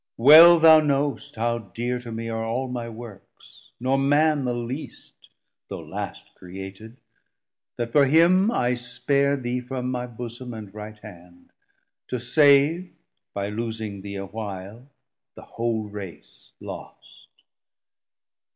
well thou know'st how dear, To me are all my works, nor Man the least Though last created, that for him I spare Thee from my bosom and right hand, to save, By loosing thee a while, the whole Race lost.